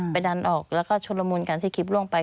ดันออกแล้วก็ชุดละมุนกันที่คลิปล่วงไป